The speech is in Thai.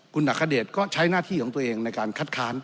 คุณอัคเดชก็ใช้หน้าที่ของตัวเองในการคัดค้าน